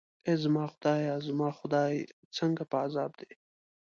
ای زما خدایه، زما خدای، څنګه په عذاب دی.